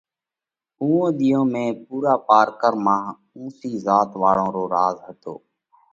اُوئون ۮِيئون ۾ پُورا پارڪر مانه اُونسِي ذات واۯون رو راز هتو۔